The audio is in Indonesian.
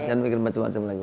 dan bikin macam macam lagi